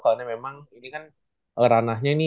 karena memang ini kan ranahnya